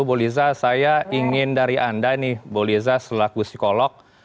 bu liza saya ingin dari anda nih bu liza selaku psikolog